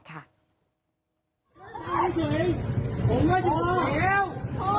นอกจากนี้คนสามารถใช้แปลงคั่นเป้าหมาย